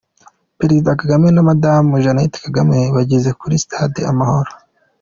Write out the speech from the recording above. Perezida Kagame na madame Jeanette Kagame bageze kuri Stade amahoro.